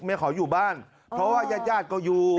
ขออยู่บ้านเพราะว่ายาดก็อยู่